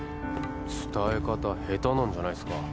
伝え方下手なんじゃないっすか？